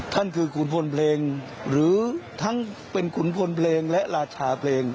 ท่านคือขุนพลเพลงหรือทั้งเป็นขุนพลเพลงและราชาเพลง